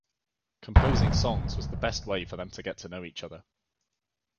Composing songs was the best way for them to get to know each other.